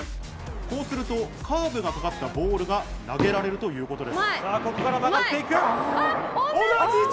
こうするとカーブがかかったボールが投げられるということです。